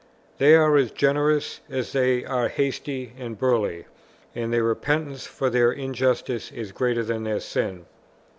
They are as generous, as they are hasty and burly; and their repentance for their injustice is greater than their sin.